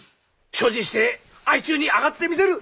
精進して相中に上がってみせる！